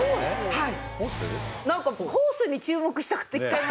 はい。